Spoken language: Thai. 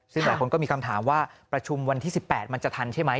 ซึ่งหลายคนก็มีคำถามว่าประชุมวันที่๑๘มันจะทันใช่ไหม